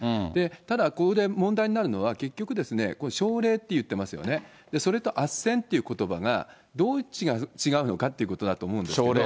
ただここで問題になるのは、結局ですね、奨励って言ってますがね、それとあっせんということばが、どう違うのかっていうことだと思うんですよね。